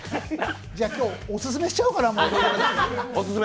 今日オススメしちゃおうかな。